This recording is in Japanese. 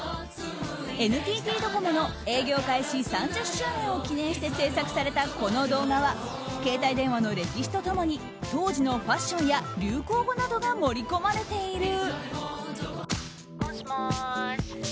ＮＴＴドコモの営業開始３０周年を記念して制作されたこの動画は携帯電話の歴史と共に当時のファッションや流行語などが盛り込まれている。